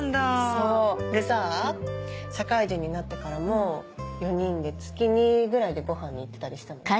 そうでさ社会人になってからも４人で月２ぐらいでごはんに行ってたりしたのね。